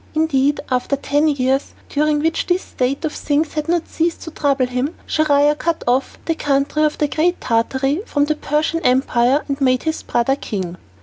Indeed, after ten years, during which this state of things had not ceased to trouble him, Schahriar cut off the country of Great Tartary from the Persian Empire and made his brother king.